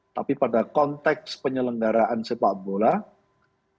tapi pada konteks penyelenggaraan sepak bola itu adalah hal lain